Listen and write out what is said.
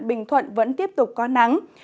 bình thuận vẫn tiếp tục có nắng